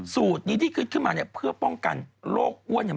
สูตรนี้ที่ขึ้นมาเนี่ยเพื่อป้องกันโรคอ้วน